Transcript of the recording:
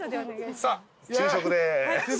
さあ昼食です。